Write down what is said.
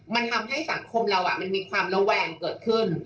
มันทำให้สังคมเรามันมีความระแวงเกิดขึ้น